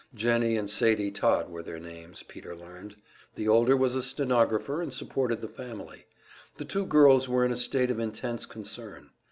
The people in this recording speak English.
Jennie and Sadie Todd were their names, Peter learned; the older was a stenographer, and supported the family. The two girls were in a state of intense concern.